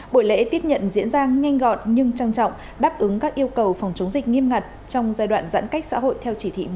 buổi lễ tiếp nhận diễn ra nhanh gọn nhưng trang trọng đáp ứng các yêu cầu phòng chống dịch nghiêm ngặt trong giai đoạn giãn cách xã hội theo chỉ thị một mươi